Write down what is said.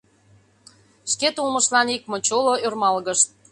Шкет улмыштлан икмочоло ӧрмалгышт.